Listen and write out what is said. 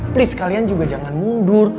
please kalian juga jangan mundur